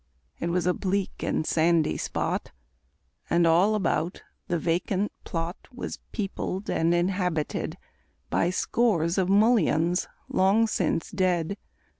It was a bleak and sandy spot, And, all about, the vacant plot Was peopled and inhabited By scores of mulleins long since dead.